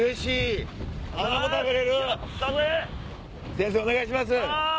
先生お願いします。